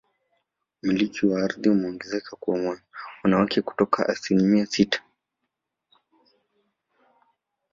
Umiliki wa ardhi umeongezeka kwa wanawake kutoka asilimia sita